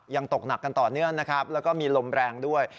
ตกหนักกันต่อเนื่องนะครับแล้วก็มีลมแรงด้วย